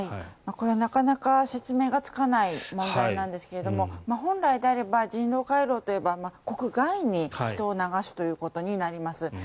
これはなかなか説明がつかない問題なんですが本来であれば人道回廊といえば国外に人を流すということになります。